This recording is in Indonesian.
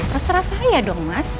terserah saya dong mas